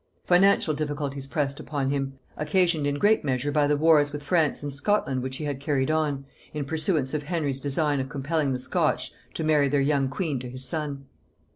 Financial difficulties pressed upon him, occasioned in great measure by the wars with France and Scotland which he had carried on, in pursuance of Henry's design of compelling the Scotch to marry their young queen to his son.